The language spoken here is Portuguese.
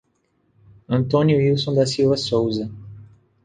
Antônio Ilson da Silva Souza